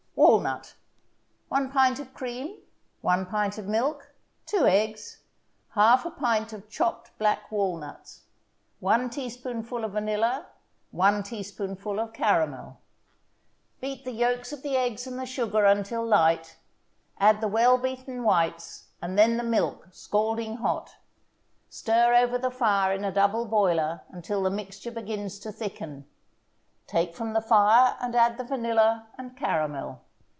WALNUT 1 pint of cream 1 pint of milk 2 eggs 1/2 pint of chopped black walnuts 1 teaspoonful of vanilla 1 teaspoonful of caramel Beat the yolks of the eggs and the sugar until light; add the well beaten whites, and then the milk, scalding hot. Stir over the fire in a double boiler until the mixture begins to thicken; take from the fire and add the vanilla and caramel.